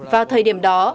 vào thời điểm đó